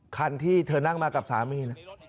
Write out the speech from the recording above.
คันที่เธอนั่งมากับสามีนะ